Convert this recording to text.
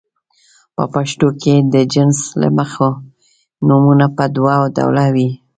په پښتو کې د جنس له مخې نومونه په دوه ډوله دي.